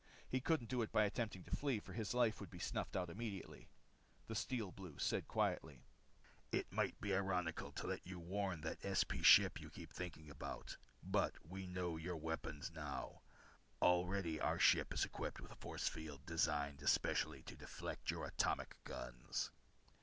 He couldn't do it by attempting to flee, for his life would be snuffed out immediately. The Steel Blue said quietly: "It might be ironical to let you warn that SP ship you keep thinking about. But we know your weapon now. Already our ship is equipped with a force field designed especially to deflect your atomic guns."